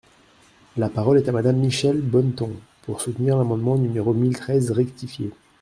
La parole est à Madame Michèle Bonneton, pour soutenir l’amendement numéro mille treize rectifié.